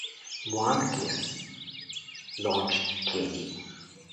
Wanagas launched k.d.